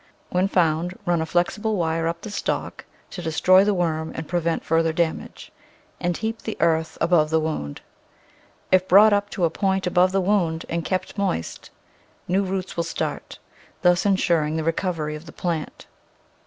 When found run a flexible wire up the stalk to destroy the worm and prevent further damage, and heap the earth above the wound. If brought up to a point above the wound, and kept moist, new roots will start, thus insuring the recovery of the plant.